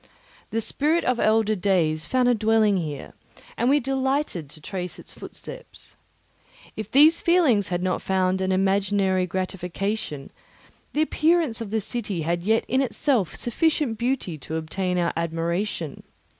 The spirit of elder days found a dwelling here, and we delighted to trace its footsteps. If these feelings had not found an imaginary gratification, the appearance of the city had yet in itself sufficient beauty to obtain our admiration.